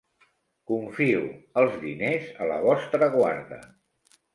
Confio els diners a la vostra guarda.